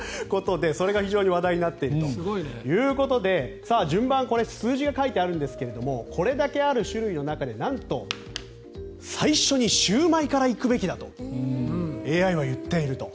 それが非常に話題になっているということで順番、これ、数字が書いてあるんですがこれだけある種類の中でなんと最初にシウマイから行くべきだとＡＩは言っていると。